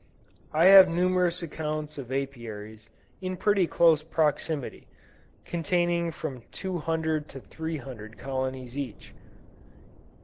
I have numerous accounts of Apiaries in pretty close proximity, containing from 200 to 300 colonies each.